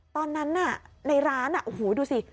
ตอนนั้นน่ะในร้านโอ้โหดูสิ